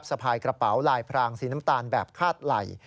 สะพายกระเป๋าลายพรางสีน้ำตาลแบบคาดไหล่